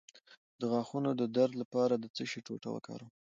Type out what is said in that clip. د غاښونو د درد لپاره د څه شي ټوټه وکاروم؟